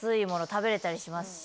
食べれたりしますし。